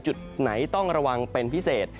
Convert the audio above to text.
จุดไหนต้องระวังเป็นพิเศษ